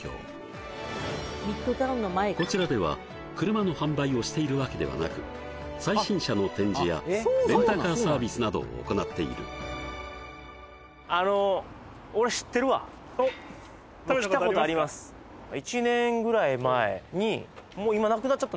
こちらでは車の販売をしているわけではなく最新車の展示やレンタカーサービスなどを行っているおっ食べたことありますか？